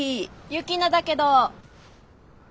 雪菜だけど。